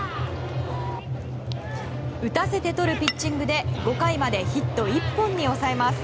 打たせてとるピッチングで５回までヒット１本に抑えます。